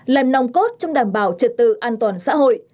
làm nòng cốt trong đảm bảo trật tự an toàn xã hội